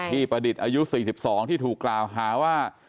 ประดิษฐ์อายุ๔๒ที่ถูกกล่าวหาว่า